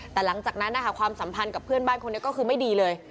แต่หลังจากนั้นนะคะความสัมพันธ์กับเพื่อนบ้านคนนี้ก็คือไม่ดีเลย